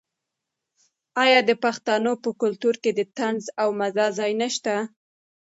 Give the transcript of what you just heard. آیا د پښتنو په کلتور کې د طنز او مزاح ځای نشته؟